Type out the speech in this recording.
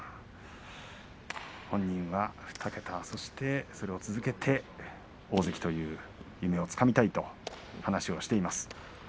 本人は２桁、そしてそれを続けて大関という夢をつかみたいと話をしていました。